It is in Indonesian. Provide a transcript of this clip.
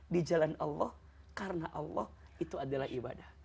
di jalan allah karena allah itu adalah ibadah